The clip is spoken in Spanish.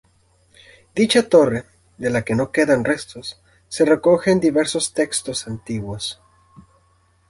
Dicha torre, de la que no quedan restos, se recoge en diversos textos antiguos.